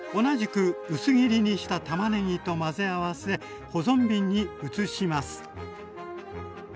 同じく薄切りにしたたまねぎと混ぜ合わせ保存瓶に移します。